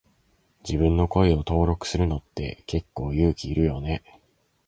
自分の声を登録するのって結構勇気いるよね。